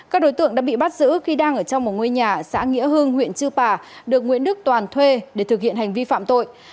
các đối tượng đã bị bắt giữ khi đang ở trong một ngôi nhà xã nghĩa hưng huyện chư pà được nguyễn đức toàn thuê để thực hiện hành vi phạm tội